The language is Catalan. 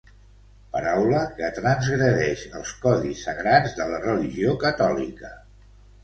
Paraula que transgredeix els codis sagrats de la religió catòlica.